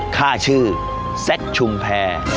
ข้าชื่อซเรชุมแพร